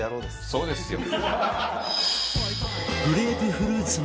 そうですよ。